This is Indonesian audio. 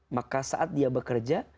maka saat dia bekerja